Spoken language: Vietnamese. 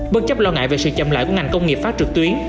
bất chấp lo ngại về sự chậm lại của ngành công nghiệp phát trực tuyến